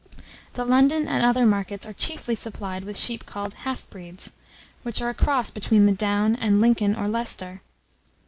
The London and other markets are chiefly supplied with sheep called half breeds, which are a cross between the Down and Lincoln or Leicester.